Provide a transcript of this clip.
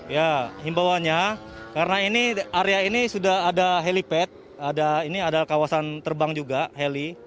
ya himbawanya karena area ini sudah ada helipad ini adalah kawasan terbang juga heli